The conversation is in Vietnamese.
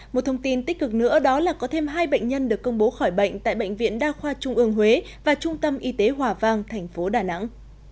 một thông tin tích cực nữa đó là có thêm hai bệnh nhân được công bố khỏi bệnh tại bệnh viện đa khoa trung ương huế và trung tâm y tế hòa vang thành phố đà nẵng